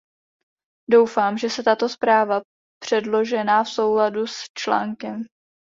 Doufám, že se tato zpráva předložená v souladu s čl.